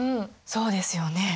そうですよね。